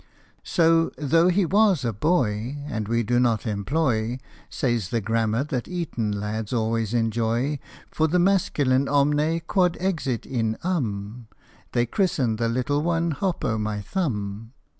So, though he was a boy, And we do not employ Says the grammar that Eton lads always enjoy For the masculine omne quod exit in urn, They christened the little one Hop o' my Thumb.